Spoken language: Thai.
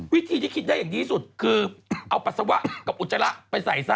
วิธีที่คิดได้อย่างดีที่สุดคือเอาปัสสาวะกับอุจจาระไปใส่ซะ